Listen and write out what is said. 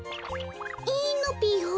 いいのぴよ？